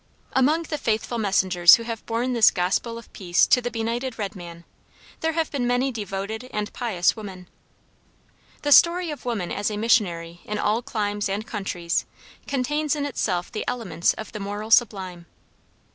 Among the faithful messengers who have borne this Gospel of peace to the benighted red man, there have been many devoted and pious women. The story of woman as a missionary in all climes and countries contains in itself the elements of the moral sublime.